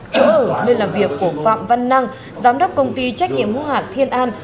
chỗ ở nơi làm việc của phạm văn năng giám đốc công ty trách nhiệm hô hạt thiên an